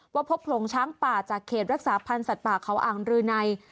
พบโขลงช้างป่าจากเขตรักษาพันธ์สัตว์ป่าเขาอ่างรืนัย